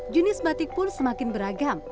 jenis batik pun semakin beragam